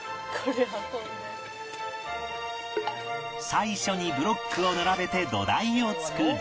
最初にブロックを並べて土台を作り